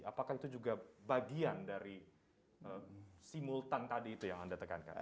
apakah itu juga bagian dari simultan tadi itu yang anda tekankan